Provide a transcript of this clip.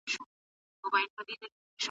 که تاسو ښه مطالعه وکړئ نو ژر به ستونزه حل سی.